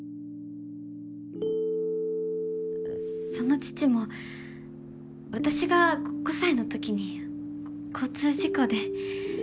その父も私が５歳のときに交通事故で。